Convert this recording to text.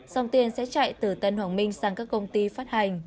dòng tiền sẽ chạy từ tân hoàng minh sang các công ty phát hành